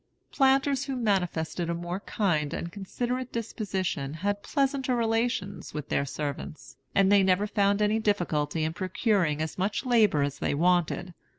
Planters who manifested a more kind and considerate disposition had pleasanter relations with their servants, and they never found any difficulty in procuring as much labor as they wanted.